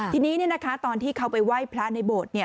ทีนี้เนี่ยนะคะตอนที่เขาไปไหว้พระในโบสถ์เนี่ย